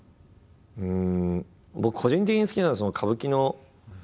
うん。